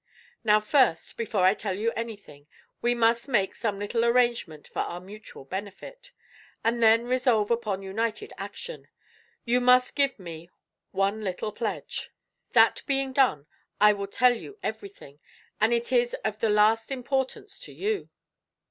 "Now first, before I tell you anything, we must make some little arrangement for our mutual benefit, and then resolve upon united action. You must give me one little pledge. That being done I will tell you everything, and it is of the last importance to you."